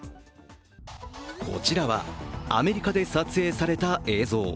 こちらは、アメリカで撮影された映像。